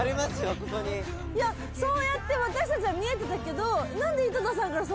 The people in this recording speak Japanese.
いやそうやって私たちは見えてたけど。